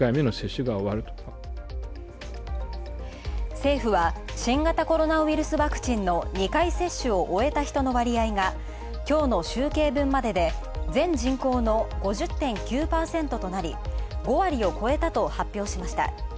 政府は新型コロナウイルスワクチンの２回接種を終えた人の割合がきょうの集計分までで、全人口の５０．９％となり５割を超えたと発表しました。